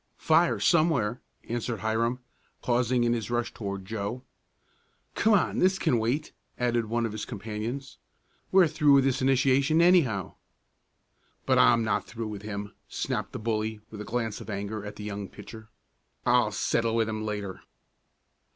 "Fire, somewhere," answered Hiram, pausing in his rush toward Joe. "Come on, this can wait," added one of his companions. "We're through with this initiation, anyhow." "But I'm not through with him," snapped the bully with a glance of anger at the young pitcher. "I'll settle with him later."